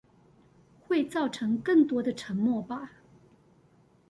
會造成更多的沉默吧？